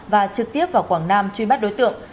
và trực tiếp vào quảng nam truy bắt đối tượng